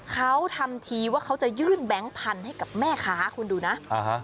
เขาทำทีว่าเขาจะยื่นแบงค์พันธุ์ให้กับแม่ค้าคุณดูนะอ่าฮะ